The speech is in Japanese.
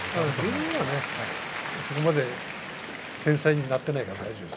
それまで繊細になっていないから大丈夫。